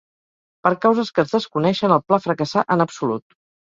Per causes que es desconeixen, el pla fracassà en absolut.